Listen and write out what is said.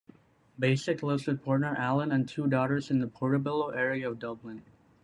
Bacik lives with partner Alan and two daughters in the Portobello area of Dublin.